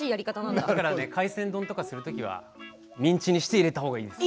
だから海鮮丼にするときはミンチにして入れたほうがいいです。